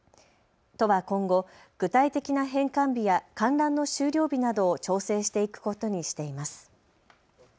都は今後、具体的な返還日や観覧の終了日などを調整していくことにしています。